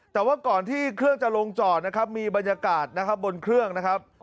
แต่ว่าก่อนที่เครื่องจะลงจอดนะครับมีบรรยากาศนะครับบนเครื่องนะครับ